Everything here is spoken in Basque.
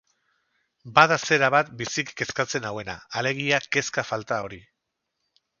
Bada zera bat biziki kezkatzen nauena, alegia kezka falta hori.